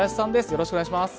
よろしくお願いします。